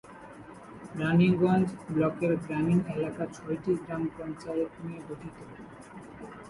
রানিগঞ্জ ব্লকের গ্রামীণ এলাকা ছয়টি গ্রাম পঞ্চায়েত নিয়ে গঠিত।